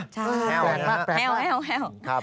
ใช่แอลล์แอลล์แอลล์